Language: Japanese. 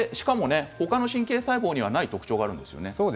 他の神経細胞にはない特徴があるんですよね。